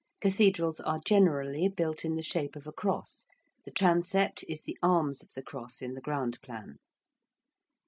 Cathedrals are generally built in the shape of a cross; the transept is the arms of the cross in the ground plan.